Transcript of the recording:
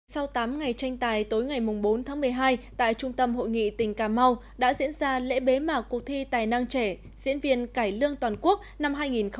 sau tám ngày tranh tài tối ngày bốn tháng một mươi hai tại trung tâm hội nghị tỉnh cà mau đã diễn ra lễ bế mạc cuộc thi tài năng trẻ diễn viên cải lương toàn quốc năm hai nghìn một mươi chín